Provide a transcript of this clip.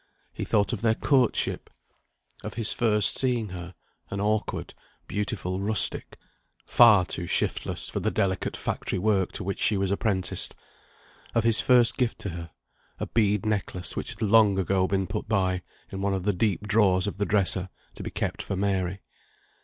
He thought of their courtship; of his first seeing her, an awkward, beautiful rustic, far too shiftless for the delicate factory work to which she was apprenticed; of his first gift to her, a bead necklace, which had long ago been put by, in one of the deep drawers of the dresser, to be kept for Mary.